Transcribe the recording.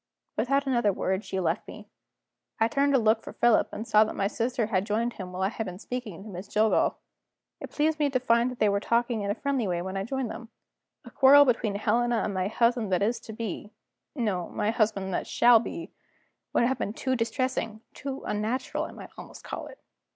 Without another word, she left me. I turned to look for Philip, and saw that my sister had joined him while I had been speaking to Miss Jillgall. It pleased me to find that they were talking in a friendly way when I joined them. A quarrel between Helena and my husband that is to be no, my husband that shall be would have been too distressing, too unnatural I might almost call it.